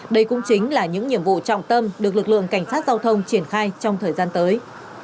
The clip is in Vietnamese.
đây cũng chính là những nhiệm vụ trọng tâm được lực lượng cảnh sát giao thông triển khai trong thời gian tới